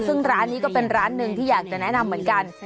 ซึ่งร้านนี้ก็เป็นร้านหนึ่งที่อยากจะแนะนำเหมือนกัน